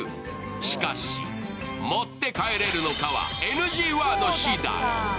しかし持って帰れるのかはＮＧワードしだい。